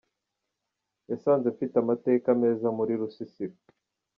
Yasanze mfite amateka meza mu rusisiro.